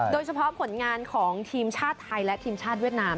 โดยเฉพาะผลงานของทีมชาติไทยและทีมชาติเวียดนาม